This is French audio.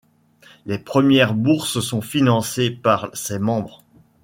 Les premières bourses sont financées par ses membres.